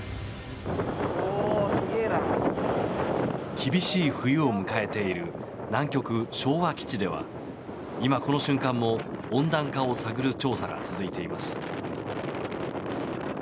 厳しい冬を迎えている南極・昭和基地では今この瞬間も温暖化を探る調査が続いています。